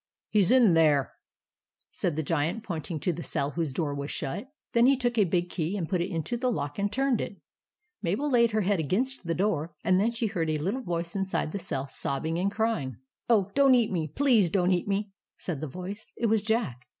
"HE'S IN THERE," said the Giant, pointing to the cell whose door was shut. Then he took a big key and put it into the lock and turned it. Mabel laid her head against the door, and then she heard a little voice inside the cell sobbing and crying. " Oh, don't eat me, please don't eat me I " said the voice. It was Jack.